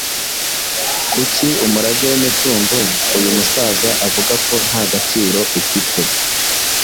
Kuki umurage w’imitungo uyu musaza avuga ko nta gaciro ufite?